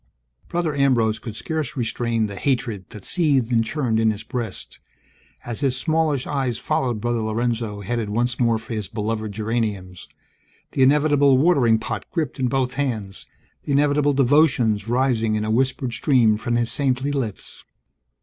Brother Ambrose could scarce restrain the hatred that seethed and churned in his breast, as his smallish eyes followed Brother Lorenzo headed once more for his beloved geraniums, the inevitable watering pot gripped in both hands, the inevitable devotions rising in a whispered stream from his saintly lips.